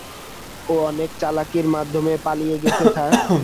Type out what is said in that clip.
ও অনেক চালাকির মাধ্যমে পালিয়ে গেছে স্যার!